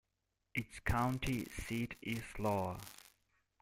Its county seat is Loa.